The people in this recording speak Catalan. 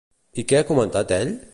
I què ha comentat ell?